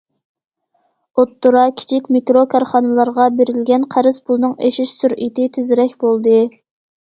ئوتتۇرا، كىچىك، مىكرو كارخانىلارغا بېرىلگەن قەرز پۇلنىڭ ئېشىش سۈرئىتى تېزرەك بولدى.